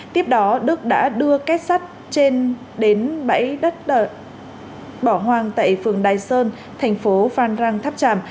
tiếp đó đức đã đưa kép sát trên đến bãi đất bỏ hoang tại phường đài sơn tp phan rang tháp tràm